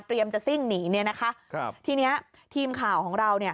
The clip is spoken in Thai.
เตรียมจะซิ่งหนีนี่นะคะทีนี้ทีมข่าวของเรา